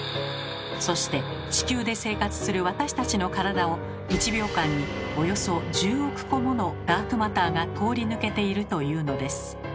そして地球で生活する私たちの体を１秒間におよそ１０億個ものダークマターが通り抜けているというのです。